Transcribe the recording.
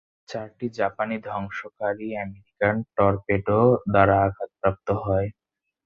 চারটি জাপানি ধ্বংসকারীই American torpedo দ্বারা আঘাতপ্রাপ্ত হয়।